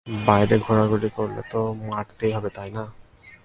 বাইরে ঘোরাঘুরি করলে তো মারতেই হবে, তাই না?